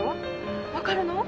分かるの？